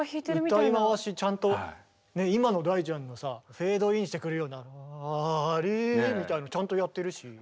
歌い回しちゃんと今の大ちゃんのさフェードインしてくるような「ラリ」みたいなのちゃんとやってるし。